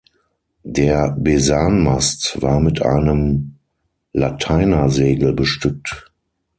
Der Besanmast war mit einem Lateinersegel bestückt.